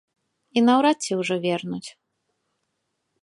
І наўрад ці ўжо вернуць.